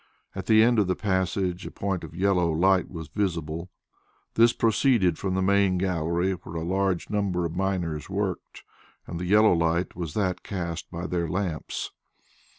At the end of the passage a point of yellow light was visible. This proceeded from the main gallery where a large number of miners worked, and the yellow light was that cast by their lamps.